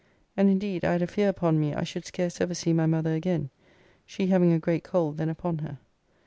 And indeed I had a fear upon me I should scarce ever see my mother again, she having a great cold then upon her.